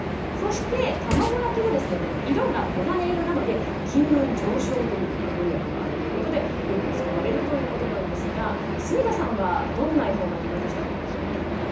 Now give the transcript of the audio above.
そして、卵焼きも色が黄金色なので金運上昇というご利益があるということでよく使われるということですが住田さんはどんな恵方巻き毎年食べてらっしゃいますか？